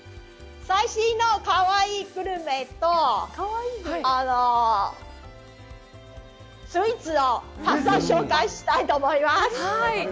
最新のかわいいグルメとスイーツをたくさん紹介したいと思います。